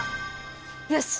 よし！